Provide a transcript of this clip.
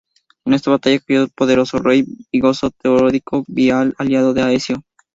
En esta batalla cayó el poderoso rey visigodo Teodorico I, vital aliado de Aecio.